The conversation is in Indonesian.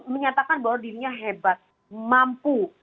menyatakan bahwa dirinya hebat mampu